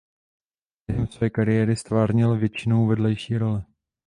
Během své kariéry ztvárnil většinou vedlejší role.